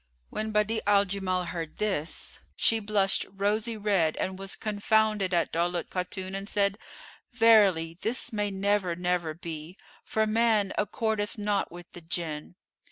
When Badi'a al Jamal heard this, she blushed rosy red and was confounded at Daulat Khatun and said, "Verily this may never, never be; for man accordeth not with the Jann."